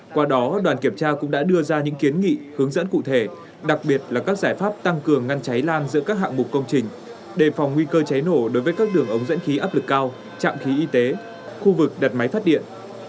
qua đó đoàn kiểm tra cũng đã đưa ra những kiến nghị hướng dẫn cụ thể đặc biệt là các giải pháp tăng cường ngăn cháy lan giữa các hạng mục công trình đề phòng nguy cơ cháy nổ đối với các đường ống dẫn khí áp lực cao trạm khí y tế khu vực đặt máy phát điện